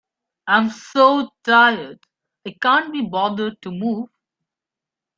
I'm so tired, I can't be bothered to move.